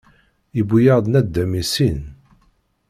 Yewwi-yaɣ nadam i sin.